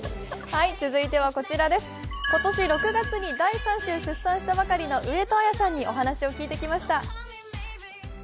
今年６月に第３子を出産したばかりの上戸彩さんにお話を聞いてきました。